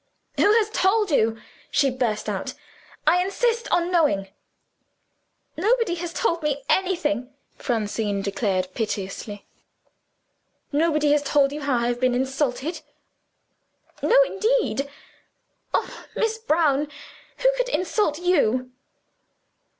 "Who has told you," she burst out; "I insist on knowing!" "Nobody has told me anything!" Francine declared piteously. "Nobody has told you how I have been insulted?" "No, indeed! Oh, Miss Brown, who could insult _you?